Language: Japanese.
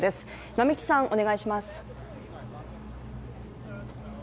並木さん、お願いします。